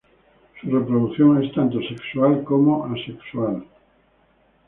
Su reproducción es tanto sexual como asexual.